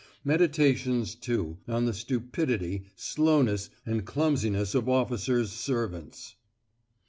Meditations, too, on the stupidity, slowness, and clumsiness of officers' servants."